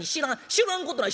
知らんことない。